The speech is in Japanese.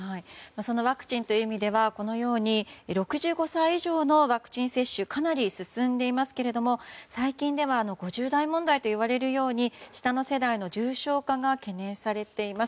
そのワクチンという意味では６５歳以上のワクチン接種かなり進んでしますが最近では５０代問題といわれるように下の世代の重症化が懸念されています。